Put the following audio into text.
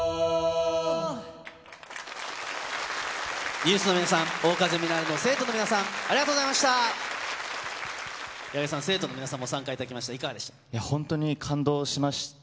ＮＥＷＳの皆さん、桜花ゼミナールの生徒の皆さん、ありがとうございました。